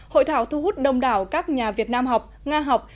hội thảo thu hút đông đảo các nhà việt nam học nga học